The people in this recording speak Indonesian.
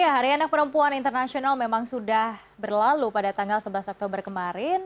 hari anak perempuan internasional memang sudah berlalu pada tanggal sebelas oktober kemarin